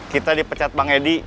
kita dipecat bang edi